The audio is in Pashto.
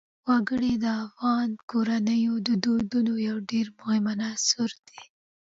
وګړي د افغان کورنیو د دودونو یو ډېر مهم عنصر دی.